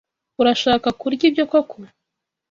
Urashaka kurya ibyo koko?